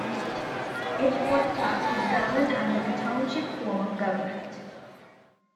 Edgewater Park is governed under the Township form of government.